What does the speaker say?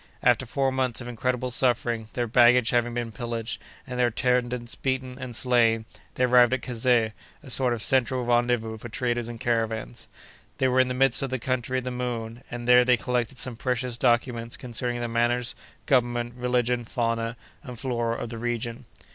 After four months of incredible suffering, their baggage having been pillaged, and their attendants beaten and slain, they arrived at Kazeh, a sort of central rendezvous for traders and caravans. They were in the midst of the country of the Moon, and there they collected some precious documents concerning the manners, government, religion, fauna, and flora of the region.